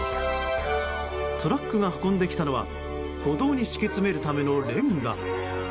トラックが運んできたのは歩道に敷き詰めるためのレンガ。